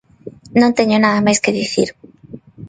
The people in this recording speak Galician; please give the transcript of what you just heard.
Non teño nada máis que dicir.